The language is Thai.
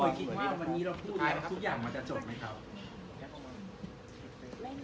คิดว่าวันนี้เราพูดไปแล้วทุกอย่างมันจะจบไหมครับ